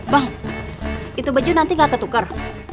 bang itu baju nanti gak ketuker